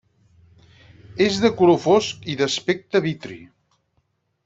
És de color fosc i d'aspecte vitri.